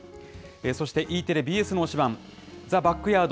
そして、Ｅテレ、ＢＳの推しバン！